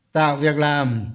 tạo việc làm